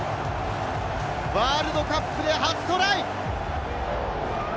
ワールドカップで初トライ！